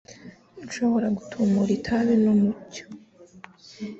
Nshobora gutumura itabi n'umucyo?